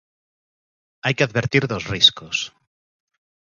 Hai que advertir dos riscos.